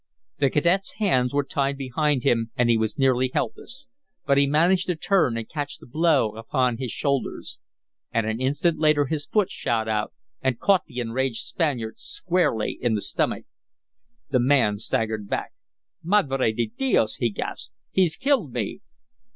The cadet's hands were tied behind him, and he was nearly helpless. But he managed to turn and catch the blow upon his shoulders. And an instant later his foot shot out and caught the enraged Spaniard squarely in the stomach. The man staggered back. "Madre di dios!" he gasped. "He's killed me."